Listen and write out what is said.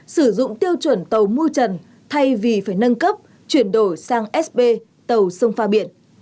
sử dụng tiêu chuẩn tàu mu trần thay vì phải nâng cấp chuyển đổi sang sb tàu sông pha biển